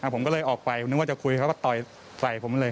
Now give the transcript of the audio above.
ผมก็เลยออกไปผมนึกว่าจะคุยเขาก็ต่อยใส่ผมเลย